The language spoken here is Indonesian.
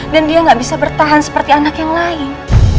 dan dia gak bisa bertahan seperti anak yang lain